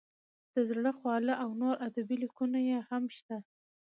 د زړه خواله او نور ادبي لیکونه یې هم شته.